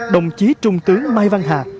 đồng chí trung tướng mai văn hạ